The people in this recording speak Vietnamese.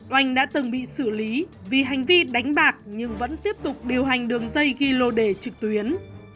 oanh đã từng bị xử lý vì hành vi đánh bạc nhưng vẫn tiếp tục điều hành đường dây ghi lô đề trực tuyến